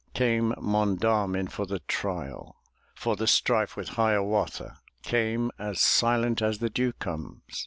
Came Monda'min for the trial. For the strife with Hiawatha; Came as silent as the dew comes.